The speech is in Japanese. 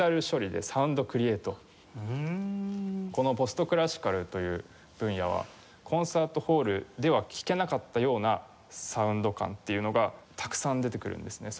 このポストクラシカルという分野はコンサートホールでは聴けなかったようなサウンド感っていうのがたくさん出てくるんですね。